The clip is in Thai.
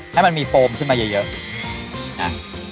ให้มันมีโฟมขึ้นมาเยอะนะ